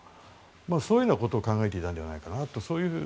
そういうようなことを考えていたのではないかなと。